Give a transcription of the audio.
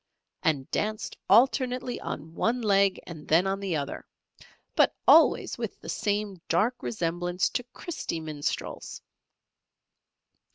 and danced alternately on one leg and then on the other, but always with the same dark resemblance to Christy Minstrels.